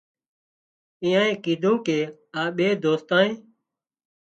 اينانئي ڪيڌون ڪي آ ٻي دوستانئي